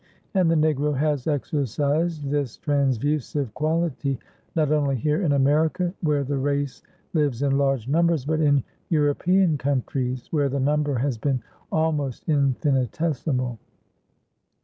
And the Negro has exercised this transfusive quality not only here in America, where the race lives in large numbers, but in European countries, where the number has been almost infinitesimal.